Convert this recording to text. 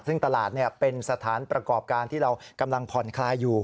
ซึ่งตลาดเป็นสถานประกอบการที่เรากำลังผ่อนคลายอยู่